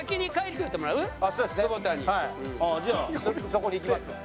そこに行きますわ。